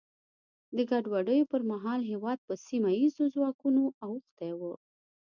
د ګډوډیو پر مهال هېواد په سیمه ییزو ځواکونو اوښتی و.